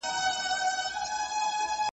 او سړی پوه نه سي چي نقاش څه غوښتل .